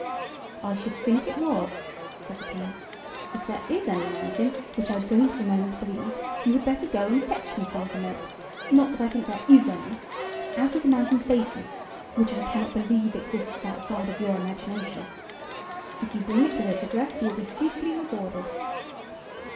"I should think it was," said the King; "if there is any mountain, which I don't for a moment believe, you had better go and fetch me some of the milk (not that I think there is any) out of the mountain's basin (which I cannot believe exists outside of your imagination). If you bring it to this address you will be suitably rewarded."